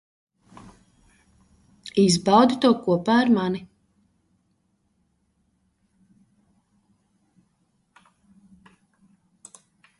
Izbaudi to kopā ar mani.